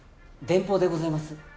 電報でございます。